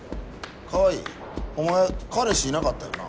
川合お前彼氏いなかったよな？